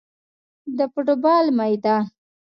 د فوټبال میدان